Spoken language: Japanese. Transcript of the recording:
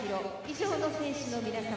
以上の選手の皆様です。